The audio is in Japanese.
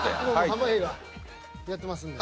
濱家がやってますんで。